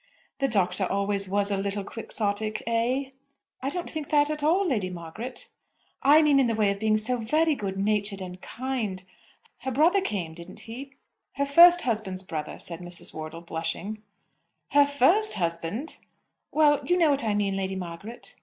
"The Doctor always was a little Quixotic eh?" "I don't think that at all, Lady Margaret." "I mean in the way of being so very good natured and kind. Her brother came; didn't he?" "Her first husband's brother," said Mrs. Wortle, blushing. "Her first husband!" "Well; you know what I mean, Lady Margaret."